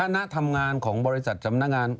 ณทำงานของบริษัทสำนักงาน